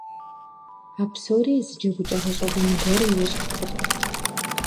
А псори зы джэгукӀэ гъэщӀэгъуэн гуэрым ещхь хъурт.